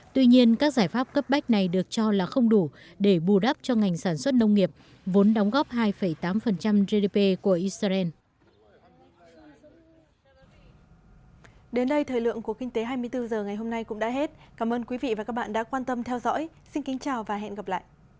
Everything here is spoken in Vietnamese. tuy nhiên các giải pháp cấp bách này được cho là không đủ để bù đắp cho ngành sản xuất nông nghiệp vốn đóng góp hai tám gdp của israel